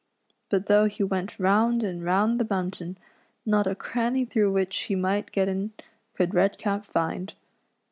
But though he went round and round the mountain, not a cranny through which he might get in could Redcap find.